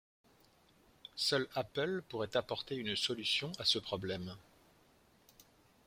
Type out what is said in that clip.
Seul Apple pourrait apporter une solution à ce problème.